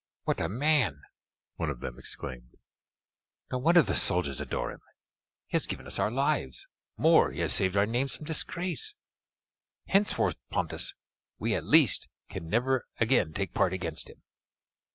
"What a man!" one of them exclaimed. "No wonder the soldiers adore him! He has given us our lives more, he has saved our names from disgrace. Henceforth, Pontus, we, at least, can never again take part against him."